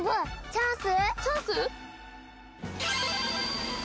チャンス？